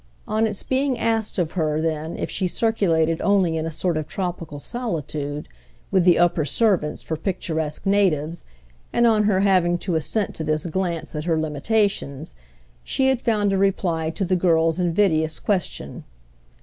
On its being asked of her then if she circulated only in a sort of tropical solitude, with the upper servants for picturesque natives, and on her having to assent to this glance at her limitations, she had found a reply to the girl's invidious question.